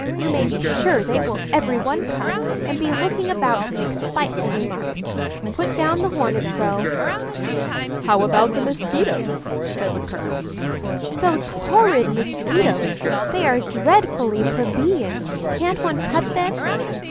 You may be sure they will every one come, and be looking about to make spiteful remarks. Put down the Hornets, though." "How about the Mosquitoes!" said the colonel. "Those horrid Mosquitoes—they are dreadfully plebeian! Can't one cut them?"